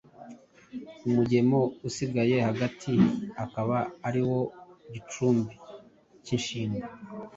umugemo usigaye hagati akaba ariwo gicumbi k’inshinga.